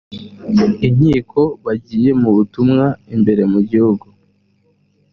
inkiko bagiye mu butumwa imbere mu gihugu